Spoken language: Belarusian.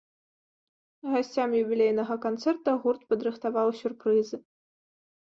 Гасцям юбілейнага канцэрта гурт падрыхтаваў сюрпрызы.